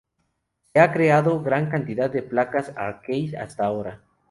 Sega ha creado gran cantidad de placas arcade hasta ahora.